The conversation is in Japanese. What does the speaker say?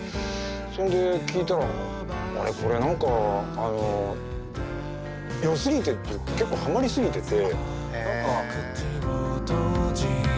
そんで聴いたらあれこれ何かよすぎてっていうか結構はまり過ぎてて。